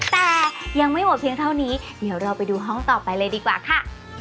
แต่ยังไม่หมดเพียงเท่านี้เดี๋ยวเราไปดูห้องต่อไปเลยดีกว่าค่ะ